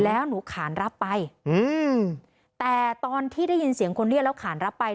แล้วหนูขานรับไปอืมแต่ตอนที่ได้ยินเสียงคนเรียกแล้วขานรับไป